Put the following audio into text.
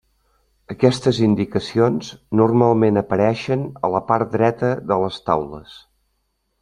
Aquestes indicacions normalment apareixen a la part dreta de les taules.